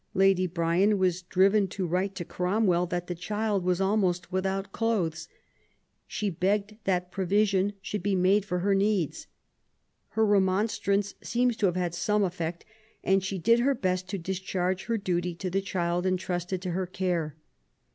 Lady Bryan was driven to write to Cromwell that the child was almost without clothes; she begged that provision should be made for her needs. Her remonstrance seems to have had some effect ; THE YOUTH OF ELIZABETH, 7 and she did her best to discharge her duty to the child intrusted to her care.